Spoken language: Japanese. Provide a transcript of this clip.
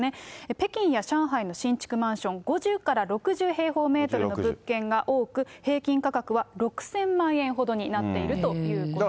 北京や上海の新築マンション５０から６０平方メートルの物件が多く、平均価格は６０００万円ほどになっているということです。